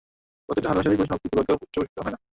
প্রত্যেকটা ভালবাসারই পরিসমাপ্তি দূর্ভাগ্যে পর্যবসিত হয় না!